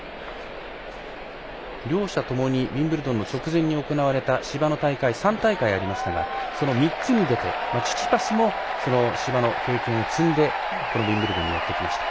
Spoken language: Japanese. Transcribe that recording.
両者ともにウィンブルドンの直前に行われた芝の大会、３大会ありましたが３つに出て、チチパスも芝の経験を積んでウィンブルドンにやって来ました。